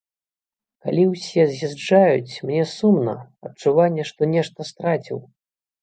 Калі ўсе з'язджаюць мне сумна, адчуванне, што нешта страціў!